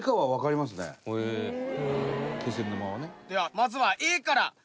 ではまずはＡから。